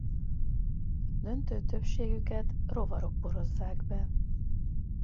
Döntő többségüket rovarok porozzák be.